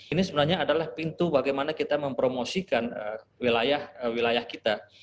ini sebenarnya adalah pintu bagaimana kita mempromosikan wilayah wilayah kita